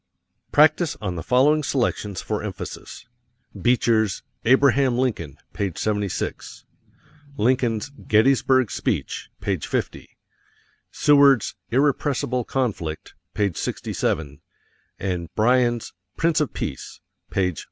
Practise on the following selections for emphasis: Beecher's "Abraham Lincoln," page 76; Lincoln's "Gettysburg Speech," page 50; Seward's "Irrepressible Conflict," page 67; and Bryan's "Prince of Peace," page 448.